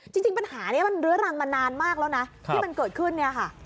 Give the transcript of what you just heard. จริงปัญหานี้มันเรื้อรังมานานมากแล้วนะที่มันเกิดขึ้นเนี่ยค่ะ